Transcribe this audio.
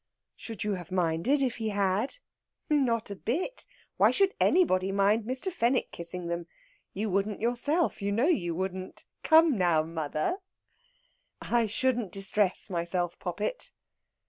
"Should you have minded if he had?" "Not a bit! Why should anybody mind Mr. Fenwick kissing them? You wouldn't yourself you know you wouldn't! Come now, mother!" "I shouldn't distress myself, poppet!"